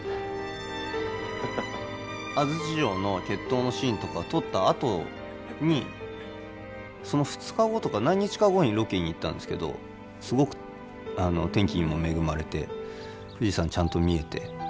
安土城の決闘のシーンとか撮ったあとにその２日後とか何日か後にロケに行ったんですけどすごく天気にも恵まれて富士山ちゃんと見えて。